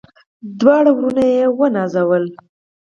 دواړه وروڼه ونازول.